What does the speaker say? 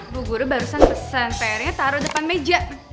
bu guru barusan pesen pr nya taruh depan meja